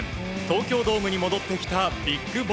東京ドームに戻ってきたＢＩＧＢＯＳＳ。